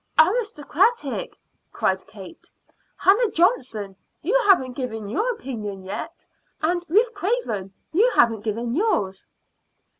"Aristocratic!" cried Kate. "Hannah Johnson, you haven't given your opinion yet. And, Ruth Craven, you haven't given yours."